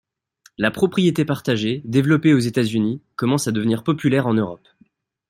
La propriété partagée, développée aux États-Unis, commence à devenir populaire en Europe.